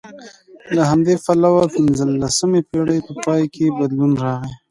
له همدې پلوه د پنځلسمې پېړۍ په پای کې بدلون راغی